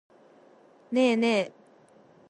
ねえねえ。